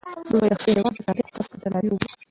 موږ باید د خپل هېواد تاریخ ته په درناوي وګورو.